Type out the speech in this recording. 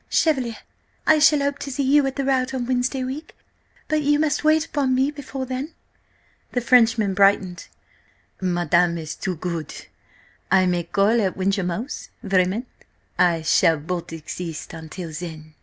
Chevalier, I shall hope to see you at the rout on Wednesday week, but you must wait upon me before then." The Frenchman brightened. "Madame is too good. I may then call at Wyncham 'Ouse? Vraiment, I shall but exist until then!"